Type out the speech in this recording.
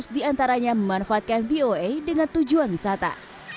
dua ratus diantaranya memanfaatkan voa dengan tujuan wisata